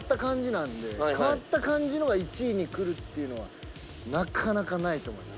なんで変わった感じのが１位にくるっていうのはなかなかないと思います。